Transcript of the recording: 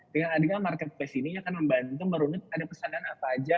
dengan adanya marketplace ini akan membantu merunut ada pesanan apa aja